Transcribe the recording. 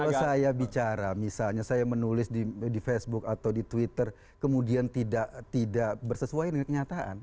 kalau saya bicara misalnya saya menulis di facebook atau di twitter kemudian tidak bersesuaian dengan kenyataan